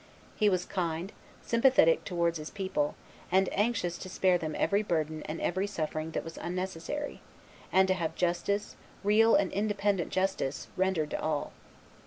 He was kind, sympathetic towards his people, and anxious to spare them every burden and every suffering that was unnecessary, and to have justice, real and independent justice, rendered to all.